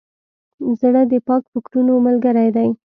زړه د پاک فکرونو ملګری دی.